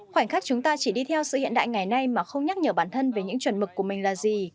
khoảnh khắc chúng ta chỉ đi theo sự hiện đại ngày nay mà không nhắc nhở bản thân về những chuẩn mực của mình là gì